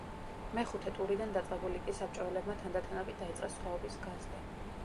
მეხუთე ტურიდან დაწყებული კი საბჭოელებმა თანდათანობით დაიწყეს სხვაობის გაზრდა.